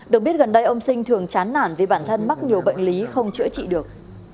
được biết gần đây ông sinh thường chán nản vì bản thân mắc nhiều bệnh lý không chữa trị được